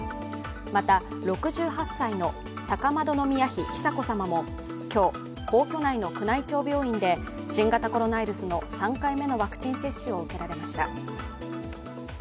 また、６８歳の高円宮妃・久子さまも今日、皇居内の宮内庁病院で新型コロナウイルスの３回目のワクチン接種を受けられました。